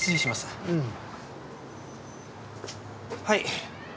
はい。